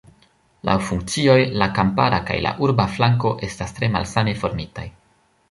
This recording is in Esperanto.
Laŭ funkcioj la kampara kaj la urba flanko estas tre malsame formitaj.